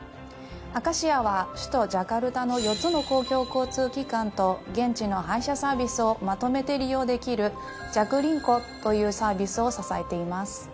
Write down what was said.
Ａｃａｓｉａは首都ジャカルタの４つの公共交通機関と現地の配車サービスをまとめて利用できるＪａｋＬｉｎｇｋｏというサービスを支えています。